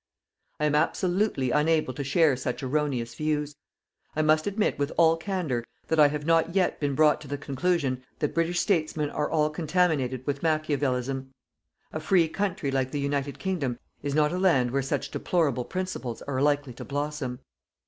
I am absolutely unable to share such erroneous views. I must admit with all candor that I have not yet been brought to the conclusion that British Statesmen are all contaminated with "Machiavellism". A free country like the United Kingdom is not a land where such deplorable principles are likely to blossom.